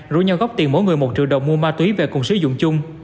rủ nhau góp tiền mỗi người một triệu đồng mua ma túy về cùng sử dụng chung